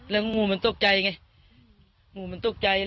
แล้วงูมันตุ๊กใจไง